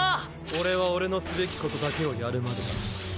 俺は俺のすべきことだけをやるまでだ。